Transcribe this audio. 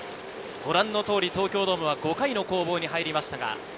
ご覧のとおり東京ドームは５回の攻防に入りました。